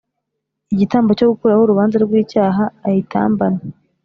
Igitambo cyo gukuraho urubanza rw icyaha ayitambane